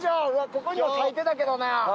ここにも書いてたけどな。